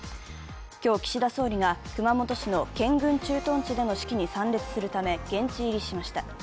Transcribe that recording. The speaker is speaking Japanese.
今日、岸田総理が熊本市の健軍駐屯地での式に参列するため現地入りしました。